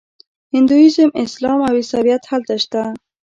هندویزم اسلام او عیسویت هلته شته.